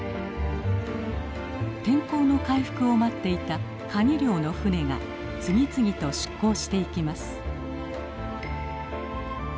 天候の回復を待っていたカニ漁の船が次々と出港していきます。